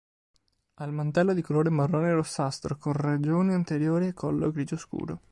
Ha il mantello di colore marrone-rossastro, con regione anteriore e collo grigio scuro.